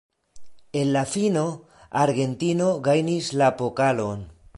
En la fino, Argentino gajnis la pokalon.